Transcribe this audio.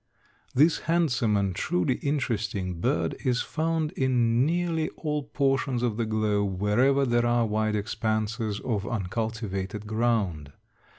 _) This handsome and truly interesting bird is found in nearly all portions of the globe wherever there are wide expanses of uncultivated ground.